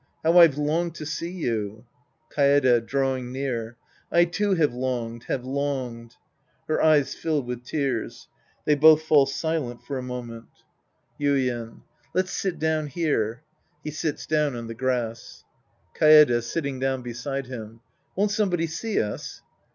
How I've longed to see you ! Kaede {drawing near). I, too, have longed, have longed. {Her eyes fill with tears. They both fall silent for a moment^ 136 The Priest 'and His Disciples Act IV Yuien. Let's sit down here. {He sits down on the grass.) Kaede {^sitting down beside him). Won't somebody see us